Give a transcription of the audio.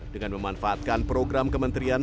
dengan memanfaatkan program kementerian